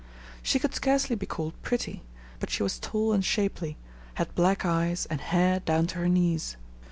She could scarcely be called pretty; but she was tall and shapely, had black eyes, and hair down to her knees.